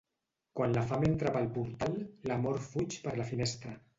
Quan la fam entra pel portal, l'amor fuig per la finestra.